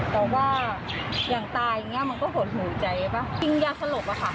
แต่ว่าอย่างตายอย่างเงี้ยมันก็ห่วงหูใจไหมยิงยาสลบอ่ะค่ะ